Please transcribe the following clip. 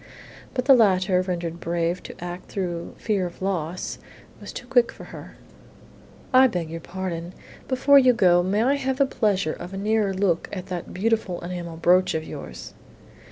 But the latter, rendered brave to act through fear of loss, was too quick for her. "I beg your pardon! Before you go, may I have the pleasure of a nearer look at that beautiful enamel brooch of yours?"